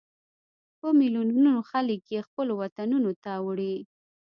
په ملیونونو خلک یې خپلو وطنونو ته وړي.